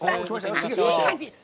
いい感じ！